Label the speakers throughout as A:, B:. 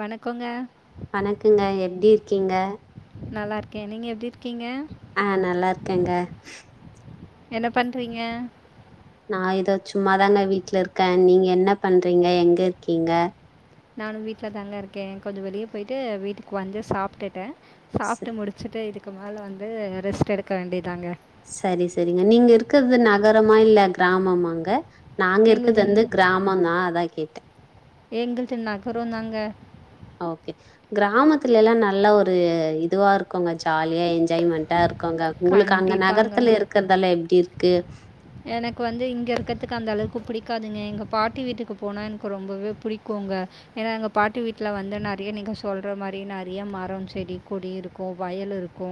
A: வணக்கோங்க
B: வணக்குங்க எப்டி இருக்கீங்க
A: நல்லாருக்கே நீங்க எப்டி இருக்கீங்க
B: அ நல்லார்க்கேங்க
A: என்ன பண்றீங்க
B: நா இதோ சும்மாதாங்க வீட்ல இருக்கே நீங்க என்ன பண்றீங்க எங்க இருக்கீங்க
A: நானு வீட்ல தாங்க இருக்கே கொஞ்சோ வெளிய போயிட்டு வீட்டுக்கு வந்து சாப்ட்டுட்டே
B: ச
A: சாப்ட்டு முடு ச்சாட்டு இதுக்கு மேல வந்து ரெஸ்ட் எடுக்க வேண்டியதாங்க
B: சரி செரிங்க நீங்க இருக்கது நகரமா இல்ல கிராமமாங்க நாங்க இருக்கது
A: எங்களுது
B: வந்து கிராமந்தா அதா கேட்டே
A: எங்குள்து நகரோந் தாங்க
B: ஓகே கிராமத்துல எல்லா நல்லா ஒரு இதுவா இருக்குங்க ஜாலியா என்ஜாய்மெண்ட்டா இருக்குங்க உங்களுக்கு அங்க
A: கண்டிப்பாங்க
B: நகரத்துல இருக்கதால்லா எப்டி இருக்கு
A: எனக்கு வந்து இங்க இருக்கதுக்கு அந்த அளவுக்கு புடிக்காதுங்க எங்க பாட்டி வீட்டுக்கு போனா எனக்கு ரொம்பவே புடிக்குங்க ஏன்னா எங்க பாட்டி வீட்ல வந்து நெறைய நீங்க சொல்ற மாரி நெறிய மரம் செடி கொடி இருக் க்கு வயல் இருக்கு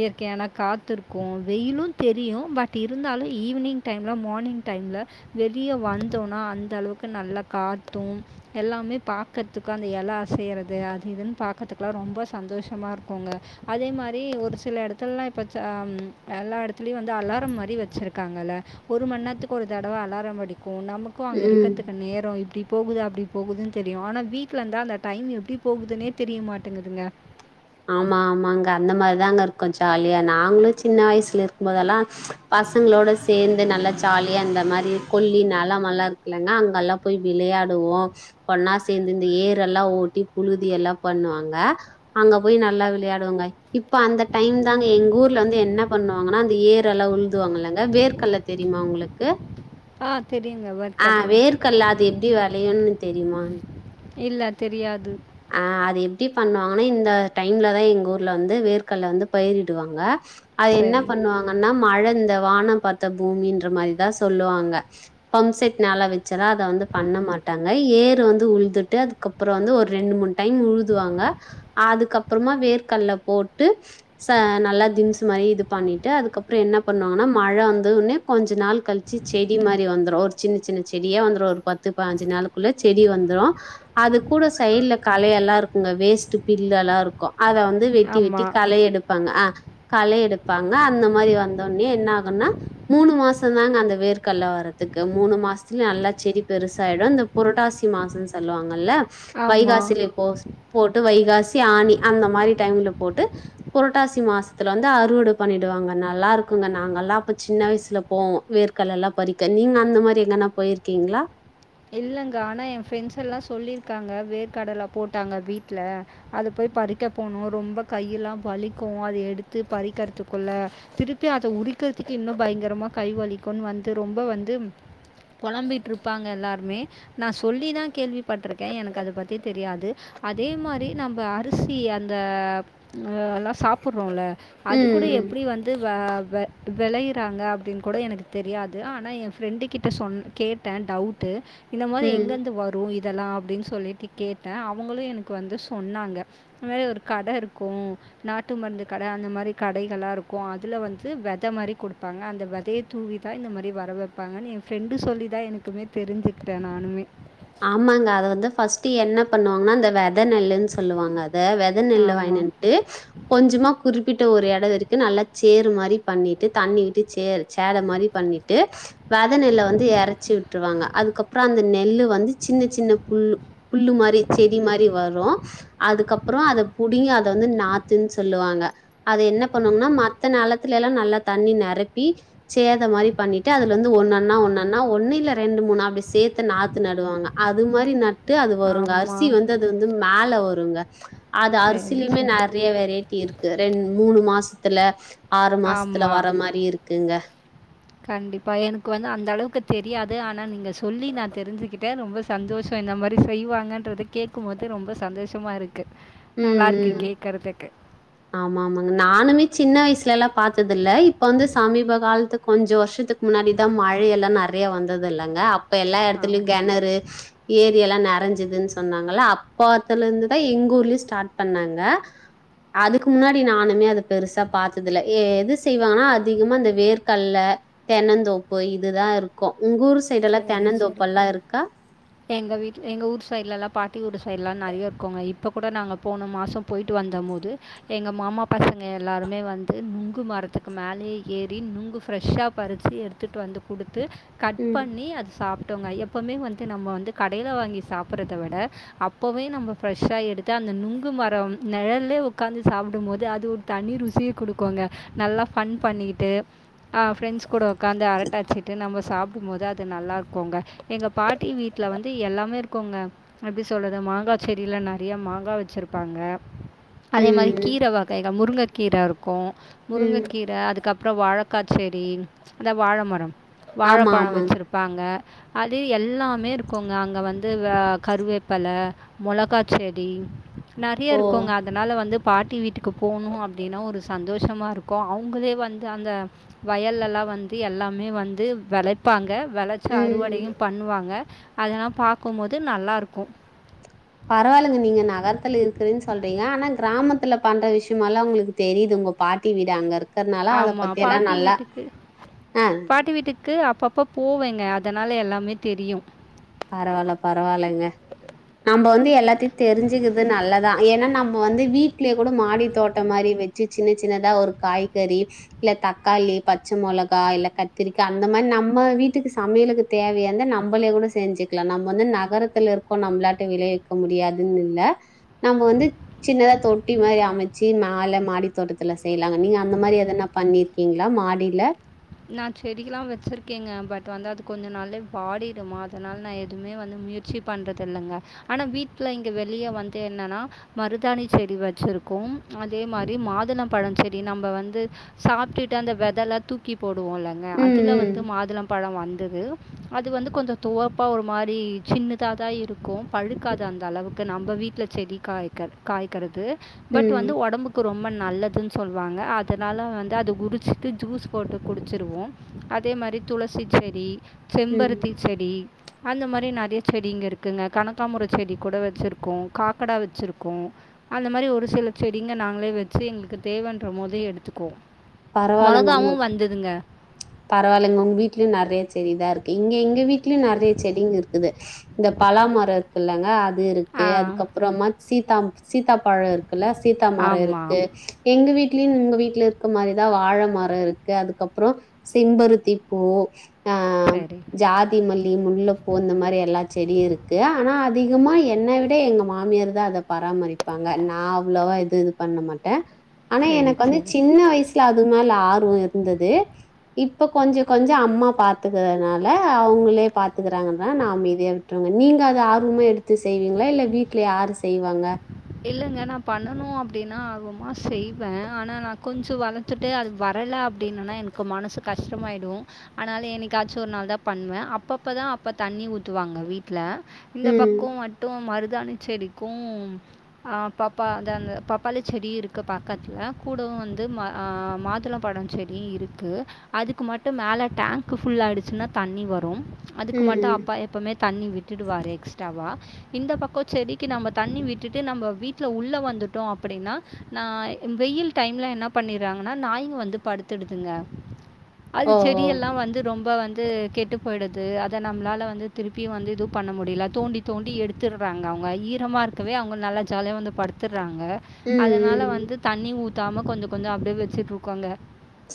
A: இயற்கையான காத்து இருக்கு வெயிலு தெரியு பட் இருந்தாலு ஈவினிங் டைம்ல மார்னிங் டைம்ல வெளிய வந்தோனா அந்த அளவுக்கு நல்லா காத்து எல்லாமே பாக்கதுக்கு அந்த எல அசைய்றது அது இதுன்னு பாக்கற்துக்லா ரொம்ப சந்தோஷமா இருக்குங்க அதே மாரி ஒரு சில எடத்துல்லா இப்பச்சாம் எல்லா எடத்துல்யு வந்து அலார மாரி வச்சுருக்காங்கள ஒரு மண் நேர்த்துக்கு ஒரு தடவ அலாரம் அடிக்கு நம்மு க்கோ அங்க
B: ம்
A: இருக்கத்துக்கு நேரோ இப்டி போகுது அப்டி போகுதுன் தெரியு ஆனா வீட்ல இந்தா அந்த டைம் எப்டி போகுதுனே தெரியமாட்டேங்குதுங்க
B: ஆமா ஆமாங்க அந்த மாரிதாங்க இருக்கு ஜாலியா நாங்ளு சின்ன வய்சுல இர்க்கு போதெல்லான் பசங்களோட சேந்து நல்லா ஜாலி இந்த மாரி கொல்லி நலமல்லா இருக்குலன்னாங் அங்கல்லா போய் விளியாடுவோ ஒண்ணா சேந்து இந்த் ஏரெல்லா ஓட்டி புழுதி எல்லா பண்ணுவாங்க அங்கப் போய் நல்லா விளையாடுவாங்கய் இப்ப அந்த டைம் தாங்க எங்க ஊர்ல வந்து என்ன பண்ணுவாங்கன்னா அந்த ஏர் அலவுல் துவாங்க இல்லங்க வேர்கல்ல தெரிம்மா உங்ளுக்கு
A: ஆ தெரியுங்க
B: ஆ
A: வேர்க்கடலை
B: வேர்கல்ல அது எப்டி வெளையுன்னு தெரிமான்
A: இல்லை தெரியாது
B: அ அது எப்டி பண்ணுவாங்கனா இந்த டைம்லதா எங்கூர்ல வந்து வேர்கல்ல வந்து பயிரிடுவாங்க அது என்ன
A: சரி
B: பண்ணுவாங்கன்னா மழ இந்த வான பாத்த பூமின்ற மாரிதா சொல்லுவாங்க பம்சட் நேலா வச்சுரா அத வந்து பண்ண மாட்டாங்கய் ஏரு வந்து உழ்துட்டு அதுக்கப்புறோ வந்து ஒர் ரெண்டு மூண் டைம் உழுதுவாங்க அதுக்கப்பற்மா வேர்கல்ல போட்டு ச நல்லா திம்ஸ் மாரி இது பண்ணிட்டு அதுக்கப்றோ என்ன பண்ணுவாங்கனா மழ வந்து உனே கொஞ்சு நாள் கள் ச்சி செடி மாரி வந்துரு ஒரு சின்ன சின்ன செடியே வந்துரு ஒரு பத்து பாஞ்சு நாளுக்குள்ளே செடி வந்துரு அது கூடஸ் தைல்ல கலையெல்லா இருக்குங்க வேஸ்ட்டு பில்லல்லா இருக்கு அத வந்து வெட்டி வெட்டி
A: ஆமாம்
B: களைையெடுப் ப்பாங்க ஆ களை எடுப்பாங்க அந்த மாரி வந்தோனே என்ன ஆகுனா மூணு மாச தாங்க அந்த வேர்கல்ல வர்ரத்துக்கு மூணு மாஸ்த்துலு நல்லா செடி பெருசாய்டு அந்தவ் பரட்டாசி மாசோ சொல்லுவாங்கல்ல
A: ஆமாம்
B: வைகாசில இப்போஸ் போட்டு வைகாசி ஆணி அந்த மாரி டைம்ல போட்டு புரட்டாசி மாஸ்த்துல வந்து அறுவட பண்ணிடுவாங்க நல்லா இருக்குங்க நாங்கல்லா அப்பு சின்ன வய்சுலப் போவோ வேர்கல்லல்லா பறிக்க நீங் அந்து மாரி எங்கன்னா போய்ர்க்கீங்ளா
A: இல்லங்க ஆனா என் ஃப்ரெண்ஸ் எல்லா சொல்லிர்க்காங்க வேர்கடல போட்டாங்க வீட்ல அது போய் பறிக்க போனோ ரொம்ப கையெல்லா வலிக்கு அத எடுத்து பறிக்கற்த்துக்குள்ள திருப்பி அத உரிக்குத்துக்கே இன்னு பயங்கரமா கைவலிக்குன் வந்து ரொம்ப வந்தும் பொழம்பிட்ருப்பாங்க எல்லார் மே நா சொல்லி தா கேள்விப்பட்ருக்கே எனக் அத பத்தி தெரியாது அதே மாரி நம்ம அரிசி அந்தப் ஆ எல்லா சாப்புறோல்ல அது கூட
B: ம்
A: எப்டி வந்து வா ல வெளையுறாங்க அப்டின்னு கூட எனக்கு தெரியாது ஆனா என் ஃப்ரெண்டு கிட்ட சொன் கேட்டேன் டவ்ட் ட்டு இந்த மாரி
B: ம் ம்
A: எங்கந்து வர் ரு இதெல்லா அப்டின் சொல்லிட்டு கேட்டே அவங்களு எனக் வந்து சொன்னாங்க இது மாரி கட இருக்கு நாட்டு மருந்து கட அந்த மாரி கடைகளா ருக்கு அதுல வந்து வெத மாரி குடுப்பாங்க அந்த வெதையத் தூவிதா இந்த மாரி வர வப்பாங்கன்னு எ ஃப்ரெண்டு சொல்லிதா எனக்குமே தெரிஞ்சுக்றே நானுமே
B: ஆமாங்க அத வந்து ஃபஸ்ட்டு என்ன பண்ணுவாங்னா அந்த வெத நெல்லுன் சொல்லுவாங் அத வெத் த நெல்ல
A: ஆமாம்
B: வாங்கினன்ட்டு கொஞ்சுமா குறிப்பிட்ட ஒரு எட தரிக்கு நல்லா ச்சேரு மாரி பண்ணிட்டு தண்ணி விட்டு ச்சேர் ச்சேர மாரி பண்ணி ட்டு வத நெல்ல வந்து எறச்சி விட்ருவாங்க அதுக்கப்றோ அந்த நெல்லு வந்து சின்ன சின்ன புல்லு புல்லு மாரி செடி மாரி வரு அதுக்கப்றோ அத புடிங்கி அத வந்து நாத்துன் சொல்லுவாங்க அது என்ன பண்ணுனா மத்த நெலத்துலல்லா நல்லா தண்ணி நெரப்பி சேத மாரி பண்ணிட்டு அதுல வந்து ஒன்னொண்ணா ஒன்னொண்ணா ஒன்னு இல்ல ரெண்டு மூணு அப்டி சேத்து நாத்து நடுவாங்க அது மாரி நட்டு அது வருங்க அரிசி
A: ஆமாம்
B: வந்து அது வந்து மேல வருங்க அது
A: சரி
B: அரிசிலயுமே
A: சரி
B: நறைய வெரைட்டி இருக்கு ரெண் மூணு மாஸ்த்துல ஆறு மாசத்துல
A: ஆமாம்
B: வர மாரி இருக்குங்க
A: கண்டிப்பா எனக்கு வந்து அந்த அளவுக்கு தெரியாது ஆனா நீங்க சொல்லி நா தெரிஞ்சுக்கிட்டே ரொம்ப ச சந்தோஷோ இந்த மாரி செய்வாங்கன்றத கேக்கும்போது ரொம்ப சந்தோஷமா இருக்கு
B: ம்
A: நல்லாருக்கு
B: ம்.
A: கேக்கறதுக்கு
B: ஆமா ஆமாங்க நானுமே சின்ன வய்சுலலா பாத்ததுல்ல இப்ப வந்து சமீப காலத்து கொஞ்சோ வர்ஷத்துக் முன்னாடிதா மழ எல்லா நறைய வந்தது இல்லங்க அப்ப எல்லா
A: ஆ.
B: எடத்துலயு கெணறு ஏரி எல்லா நெறஞ்சதுன் சொன்னாங்களா அப்பாத்துல இருந்துதா எங்க ஊர்லயு ஸ்டாட் பண்ணாங்க அதுக்கு முன்னாடி நானுமே அத பெருசா பாத்ததுல எது செய்வாங்கன்னா அதிகமா இந்த வேர்கல்ல தென்னந்தோப்பு இதுதா இருக்கு உங் உரு ச
A: செரி சேரி எங்க வீட் எங்க ஊர் சைட்லலா பாட்டி ஊர் சைட்லா நறைய இருக்குங்க இப்ப கூட நாங்க போன மாசோ போய்ட்டு வந்த போது எங்க மாமா பசங்க எல்லாருமே வந்து நுங்கு மரத்துக்கு மேலயே ஏறி நுங்கு ஃப்ரெஷ்ஷா பறிச்சி எடு துட்டு வந்து குடுத்து கட்
B: ம்.
A: பண்ணி அது சாப்ட்டோங்க ஐ எப்போமே வந்து நம்ம வந்து கடைல வாங்கி சாப்பறதவிட அப்பவே நம்ம ஃப்ரெஷ்ஷா எடுத்து அந்த நுங்கு மரம் நிழல்லே உக்காந்து சாப்டும்போது அது ஒரு தனி ருசிய குடுக்குங்க நல்லா ஃபன் பண்ணிக்கிட்டு ஆ ஃப்ரெண்ஸ்கூட உக்காந்து அரட்ட அடிச்சிட்டு நம்ம சாப் ம் போது அது நல்லா இருக்குங்க எங்க பாட்டி வீட்ல வந்து எல்லாமே இருக்குங்க எப்டி சொல்றது மாங்கா செடில நறையா மாங்கா வெச்சிருப்பாங்க அதே மாரி
B: ம்.
A: கீர வகைல முருங்கக்கீர இருக்கு
B: ம்.
A: முருங்கக்கீர அதுக்கப் றோ வாழக்காச்செடி அந்த வாழமரோ
B: ஆமா ஆமாங்
A: பாங்க அது எல்லாமே இருக்குங்க அங்க வந்து ஆ கருவேப்பல மொளகா செடி நறைய
B: ஓ!
A: இருக்குங்க அங் அதனால வந்து பாட்டி வீட்டுக்கு போணு அப்டின்னா ஒரு சந்தோஷமா இருக்கு அவுங்களே வந்து அந்த வயல்லெல்லா வந்து எல்லாமே வந்து வெள பாங்க வெளச்சி
B: ம்.
A: அறுவடையு பண்ணுவாங்க அதெல்லா பாக்கும்போது நல்லாருக்கு
B: பரவால்லங்க நீங்க நகரத்துல இருக்குறன் சொல்றீங்க ஆனா கிராமத்துல பண்ற விஷயமல்லா உங்களுக்கு தெரியுது உங்க பாட்டி வீடு அங்க இருக்
A: ஆமா பாட்டி வீட்டுக்கு
B: ஆ
A: பாட்டி வீட்டுக்கு அப்பப் ப போவேங்க அதனால எல்லாமே தெரியு
B: பரவால்ல பரவால்லங்க நம்ம வந்து எல்லாத்தையு தெரிஞ்சுக்குறது நல்லதா எனா நம்ம வந்து வீட்லேகூட மாடி தோட்டோ மாரி வெச்சு சின்ன சின்னதா ஒரு காய்கறி இல்ல தக்காளி பச்ச மெளகா இல்ல கத்திரிக்கா அந்த மாரி நம்ம வீட்டுக்கு சமையலுக்கு தேவையானத நம்பளே கூட செஞ்சுக்குலா நம்ம வந்து நகரத்துல இருக்கோ நம்மளாட்ட விளைவிக்க முடியாதுன் இல்ல நம்ம வந்து சின்னதா தொட்டி மாரி அமச்சு மேல மாடி தோட்டத்துல செய்யலாங்க நீங்க அந்த மாரி எதனா பண்ணிருக்கீங்களா மாடில
A: நா செடிகல்லா வெச்சுருக்கேங்க பட் வந்து அது கொஞ்ச நாள்லே வாடிடுமா அதுனால நா எதுமே வந்து முயற் சி பண்றது இல்லங்க ஆனா வீட்ல இங்க வெளிய வந்து என்னன்னா மருதாணி செடி வச்சுருக்கோம் அதே மாரி மாதுள பழ செடி நம்ம வந்து சாப்டுட்டு அந்த வெததெல்லா தூக்கி போடுவோ இல்லங்க
B: ம்,
A: அதுல
B: ம்.
A: வந்து மாதுளம் பழ வந்தது அது வந்து கொஞ்ச துவர்ப்பா ஒரு மாரி சின்னத தா இருக் கும் பழுக்காது அந்த அளவுக்கு நம்ம வீட்ல செடி காய்க காய்கறது பட் வந்து
B: ம்,
A: ஒடம்புக்கு ரொம்ப நல்லதுன் சொல்லுவாங்க அதுனால வந்து அது குரிச்சிட்டு ஜூஸ் போட்டு குடிச்சிருவோ அதே மாரி துளசி செடி
B: ம்.
A: செம்பருத்தி செடி அந்த மாரி நெறய செடிங்க இருக்குங்க கனக்காமர செடி கூட வச்சிருக்கோ காக்கடா வச்சிருக்கோ அந்த மாரி ஒரு சில செடிங்க நாங்களே வச்சி எங்களுக்கு தேவன்றமோது எடுத்துக்குவோ மெளதாவு வந்ததுங்க
B: பரவால்லங்க உங் வீட்லயு நெறய செடி தா இருக்கு இங்க எங்க வீட்லயு நெறய செடிங்க இருக்குதே இந்த பலாமரம் இருக்குலாங்க அது இருக்கு
A: ஆ
B: அதுக்கப்புறமா சீத்தா சீத்தா பழ இருக் கில்ல சீதா மர இருக்கு
A: ஆமாம்
B: எங்க வீட்லயும் உங்க வீட்ல இருக்கற மாரிதா வாழ மரோ இருக்கு அதுக்கப்ரோ சிம்பருத்தி பூ ஆ
A: சரி
B: ஜாத் திமல்லி முல்லபூ இந்த மாரி எல்லா செடியு இருக்கு ஆனா அதிகமா என்ன விட எங்க மாமியார் தா அதப் பராமரிப்பாங்க நா அவ்ளவா இது இது பண்ண மாட்ட ஆனா
A: சரி,
B: எனக்கு வந்து
A: சரி.
B: சின்ன வயிசில அது மேல ஆர்வோ இருந்தது இப்ப கொஞ்ச கொஞ்ச அம்மா பாத்துக்கிறனால அவங்களேப் பாத்துக்கிறாங்க தா நா அமைதியாவிட் க நீங்க அத ஆர்வமா எடுத்து செய்வீங்ளா இல்ல வீட்ல யாரு செய்வாங்
A: இல்லங்க நா பண்ணனு அப்டினா ஆர்வமா செய்வ ஆனா நா கொஞ்ச வளந் துட்டு அது வரல அப்டினானா எனக்கு மனசு கஷ்டமாயிடு ஆனால என்னைக்காச்சு ஒரு நாள் தா பண்ணுவ அப்பப்ப தா அப்ப தண்ணி ஊத்துவாங்க வீட்ல இல்லப்பா
B: ம்.
A: கோ மட்டு மருதானி செடிக்கும் ஆ பாப்பா அந்த அந்த பப்பாளி செடி இருக்கு பக்கத்துல கூடவு வந்து ம ஆ மாதுள பழோ செ டி இருக்கு அதுக்கு மட்டும் மேல டேங்க் புல்லாயிடுச்சின்னா தண்ணி வரு அதுக்கு மட்டு
B: ம்.
A: அப்பா எப்பமே தண்ணி விட்டுடுவாரு எக்ஸ்டாவா இந்த பக்க செடி நம்ம தண்ணி விட்டுட்டு நம்ம வீட்ல உள்ள வந்துட்டோ அப்டின்னா நா வெயில் டைம்ல என்னப் பண்ணிறாங்கன்னா நாய்ங்க வந்து படுத்துடுதுங்க அது
B: ஓ!
A: செடி
B: ஓ!
A: எல்லா வந்து ரொம்ப வந்து கெட்டு போய்டுது அத நம்மளால வந்து திருப்பியு வந்து இது பண்ண முடியல தோண்டி தோண்டி எடுத்துடுறாங்க அவங்க ஐயித் டம் மா இருக்கவே அவங்க நல்ல ஜாலியா வந்து படுத்துடுறாங்க அத
B: ம்.
A: அனால
B: ம்.
A: வந்து தண்ணி ஊத்தாம கொஞ்சோ கொஞ்சோ அப்டியே வச்சிட்டு இருக்காங்க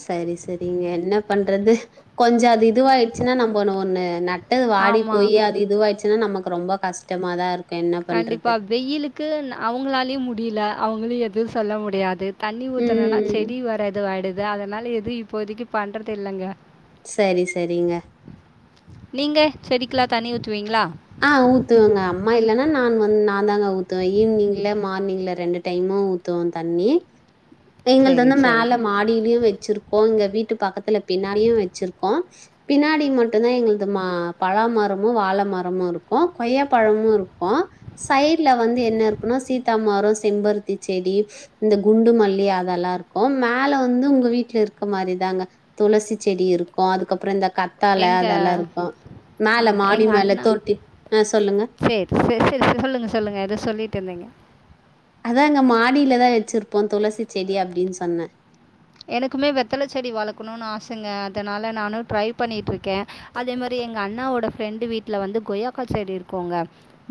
B: சரி சரிங்க என்ன பண்றது கொஞ்ச அது இது வாயிடுச்சின்னா நம்போனு ஒன்னு நட் வாடி
A: ஆமாம்
B: போய் அது இதுவாச்சின்னா நமக்கு ரொம்ப கஷ்டமா தா இருக்
A: கண்டிப்பா வெயிலுக் கு அவுங்களாளயு முடியல அவுங்களு எது சொல்ல முடியாது தண்ணி ஊத்தலன்னா
B: ம்.
A: செடி வராது வாடுது அதுனால எது இப்போதைக்கு பண்றது இல்லங்க
B: சரி சரிங்க
A: நீங்க செடிக்கிளா தண்ணி ஊத்துவீங்ளா
B: ஆ ஊத்துவங்க அம்மா இல்லன்னா நா வன் நா தாங்க ஊத்துவ ஈவினிங்ல மார்னிங்ல ரெண்டு டைமோ ஊத்துவோ தண்ணி எங்க
A: சரி,
B: தந்து மேல
A: சரிங்க.
B: மாடியிலியு வச்சிருப் போங்க வீட்டு பக்கத்துல பின்னாடியு வச்சிருக்கோ பின்னாடி மட்டும்தா எங்களது மா பழா மாரமோ வாழ மாற் பமு இருக்கு கொய்யா பழமு இருக்கு சைட்ல வந்து என்ன இருக்குனா சீத்தாமரோ செம்பருத்தி செடி இந்த குண்டு மல்லி அதெல்லா இருக்கும் மேல வந்து உங்க வீட்ல இருக்க மாரிதாங்க துளசி செடி இருக்கு அதுக்கப்பற இந்த கத்தால
A: எங்க
B: அதெல்லா இருக்கு
A: ஆ
B: மேல மாடி
A: எங்க
B: மேல
A: அண்ணா
B: தி ஆ சொல்லுங்க
A: சரி சரி சரி சரி சொல்லுங்க சொல்லுங்க எதோ சொல்லிட்ருந்தீங்க சொல்லுங்க
B: அதா அங்க மாடியிலதா வச்சிருப்போ துளசி செடி அப்படின்னு சொன்னே
A: எனக்குமே வெத்தல செடி வளர்க்கணுனு ஆசைங்க அதனால நானு ட்ரை பண்ணிட்ருக்கே அதே மாரி எங்க அண்ணாவோட ஃப்ரெண்டு வீட்ல வந்து கொய்யாக்கா செடி இருக்கோங்க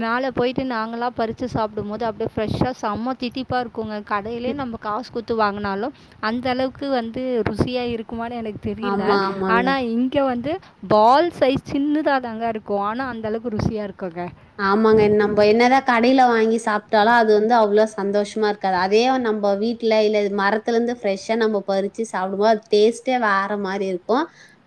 A: மேல போயிட்டு நாங்கள பறிச்சு சாப்டும்போது அப்படியே ஃப்ரெஷ்ஷா செம்ம தீத்தி ப்பா இருக்குங்க கடையிலயே நம்ம காசு குத்து வாங்குனாலு அந்த அளவுக்கு வந்து ருசியா இருக்குமான்னு எனக்கு தெரியல
B: ஆமா, ஆமாங்க.
A: ஆனா இங் க்க வந்து பால் சைஸ் சின்னதா தாங்க இருக்கு ஆனா அந்த அளவுக்கு ருசியா இருக்குங்க
B: ஆமாங்க என் நம்ம என்னதா கடையில வாங்கி சாப்ட்டாலு அது வந்து அவ்வளவு சந்தோஷமா இருக் காது அதே நம்ம வீட்ல இல்ல மரத்துல இருந்து ப்ரெஷ்ஷா நம்ம பறிச்சு சாப்டுமோ டேஸ்ட்டே வேற மாரி இருக்கு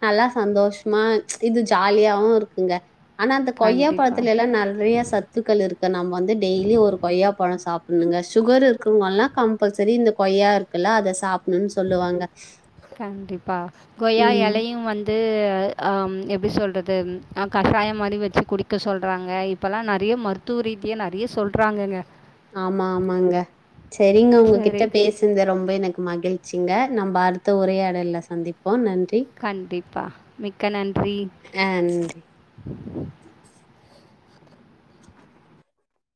B: நல்லா சந்தோஷமா இது ஜாலியாவு இருக்குங்க ஆனா அந்த கொய்யா
A: கண்டிப்பாக
B: பழத்துல எல்லா நெறைய ச த்துக்கள் இருக்க நம்ம வந்து டெய்லி ஒரு கொய்யா பழ சாப்படணுங்க சுகர் இருக்குங்கனா கம்பல்சரி இந்த கொய்யா இருக் குல்ல அத சாப்
A: கண்டிப்பா கொய்யா
B: ம்.
A: எலையு வந் து அம் எப்டி சொல்றது அ கஷாயம் மாரி வச்சு குடிக்க சொல்றாங்க இப்பல்லா நெறைய மருத் தூரீத்தி நெறைய சொல்றாங்கங்க
B: ஆமா ஆமாங்க சரிங்க
A: சரி
B: உங்ககிட்ட பேசி சந்த ரொம்ப எனக்கு மகிழ்ச்சிங்க நம் அடுத்த உரையாடல்ல சந்திப்போ நன்றி
A: கண்டிப்பா மிக்க நன்றி
B: ஆன்றி